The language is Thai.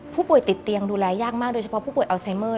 ผู้ป่วยติดเตียงดูแลยากมากโดยเฉพาะผู้ป่วยอัลไซเมอร์